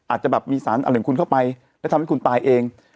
อาจจะแบบมีสารอะไรของคุณเข้าไปแล้วทำให้คุณตายเอง